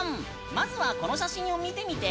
まずは、この写真を見てみて。